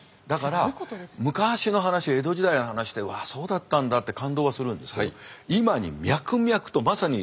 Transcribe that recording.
だから昔の話江戸時代の話ってわあそうだったんだって感動はするんですけどだから聞いてます？